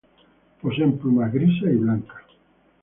Poseen plumas grises y blancas.